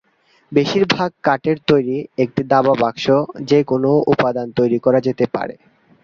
বেশিরভাগ কাঠের তৈরি, একটি দাবা বাক্স যে কোনও উপাদানে তৈরি করা যেতে পারে।